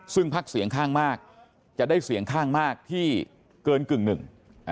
ซึ่งพักเสียงข้างมากจะได้เสียงข้างมากที่เกินกึ่งหนึ่ง